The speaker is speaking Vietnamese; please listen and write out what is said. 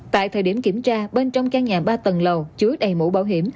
tại thời điểm kiểm tra bên trong căn nhà ba tầng lầu chứa đầy mũ bảo hiểm